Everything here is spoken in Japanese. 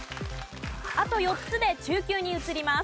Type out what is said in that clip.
あと４つで中級に移ります。